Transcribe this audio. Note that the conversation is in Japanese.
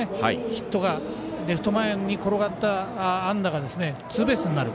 ヒットがレフト前に転がった安打がツーベースになる。